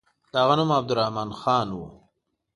د هغه نوم عبدالرحمن خان وو.